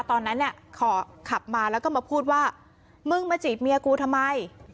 ตอนนั้นเนี่ยขอขับมาแล้วก็มาพูดว่ามึงมาจีบเมียกูทำไม